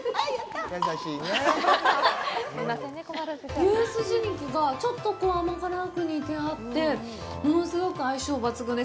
牛すじ肉がちょっと甘辛く煮てあって、物すごく相性抜群です。